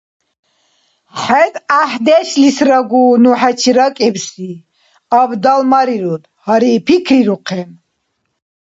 ХӀед гӀяхӀдешлисрагу ну хӀечи ракӀибси. Абдалмарируд, гъари, пикрирухъен...